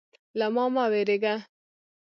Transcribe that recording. _له ما مه وېرېږه.